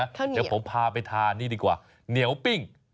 เดี๋ยวผมพาไปทานนี่ดีกว่าเหนียวปิ้ง